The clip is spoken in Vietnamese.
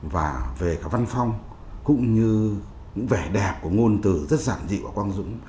và về cả văn phong cũng như vẻ đẹp của ngôn từ rất giản dịu của quang dũng